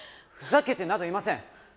ふざけてなどいません！